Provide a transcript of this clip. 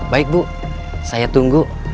baik bu saya tunggu